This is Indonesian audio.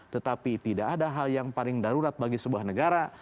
tetapi tidak ada hal yang paling darurat bagi sebuah negara